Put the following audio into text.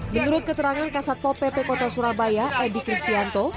menurut keterangan kasatopo pp kota surabaya edi kristianto